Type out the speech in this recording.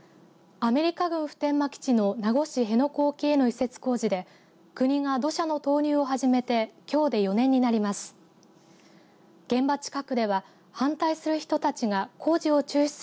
アメリカ軍、普天間基地の名護市辺野古沖への移設工事で国が土砂の投入を初めてきょうで４年になります。